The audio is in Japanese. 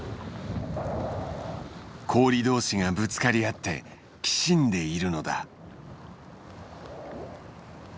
氷同士がぶつかり合ってきしんでいるのだ。